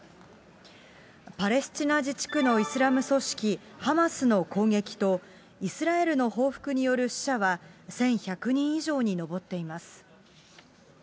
パレスチナ自治区のイスラム組織ハマスの攻撃と、イスラエルの報復による死者は１１００人以上に上っています。